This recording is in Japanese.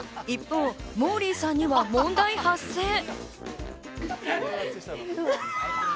一方、モーリーさんには問題発生。